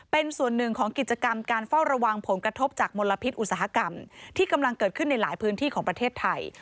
เป็นส่วนหนึ่งของกิจกรรมการเฝ้าระวังผลกระทบจากมลพิษอุตสาหกรรมที่กำลังเกิดขึ้นในหลายพื้นที่ของประเทศไทย